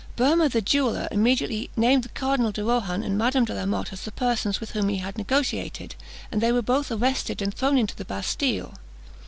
Boehmer the jeweller immediately named the Cardinal de Rohan and Madame de la Motte as the persons with whom he had negotiated, and they were both arrested and thrown into the Bastille.